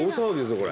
これ。